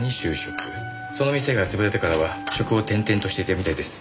その店が潰れてからは職を転々としていたみたいです。